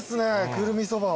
くるみそば。